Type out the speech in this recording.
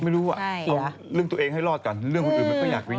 ไม่รู้ว่ะเอาเรื่องตัวเองให้รอดก่อนเรื่องคนอื่นมันก็อยากไปยุ่ง